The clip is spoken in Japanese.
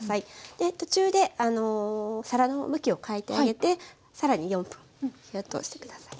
で途中で皿の向きを変えてあげて更に４分火を通して下さい。